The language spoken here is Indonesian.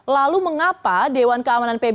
lalu mengapa dewan keamanan pbb